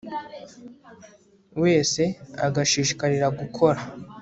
wese agashishikarira gukora